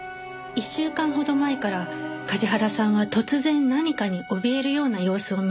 １週間ほど前から梶原さんは突然何かにおびえるような様子を見せ始めた。